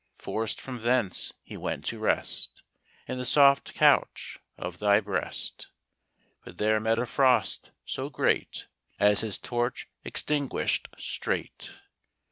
Forc'd from thence he went to rest In the soft couch of thy breast: But there met a frost so great, As his torch extinguish'd straight.